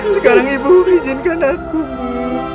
sekarang ibu ijinkan aku bu